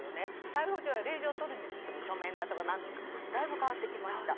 逮捕状や令状を取るにしても書面だとか何だとかだいぶ変わってきました。